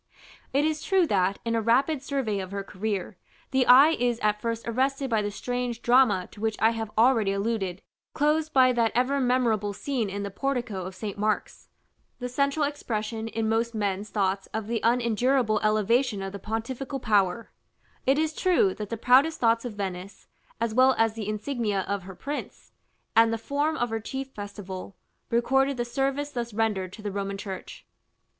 It is true that, in a rapid survey of her career, the eye is at first arrested by the strange drama to which I have already alluded, closed by that ever memorable scene in the portico of St. Mark's, the central expression in most men's thoughts of the unendurable elevation of the pontifical power; it is true that the proudest thoughts of Venice, as well as the insignia of her prince, and the form of her chief festival, recorded the service thus rendered to the Roman Church.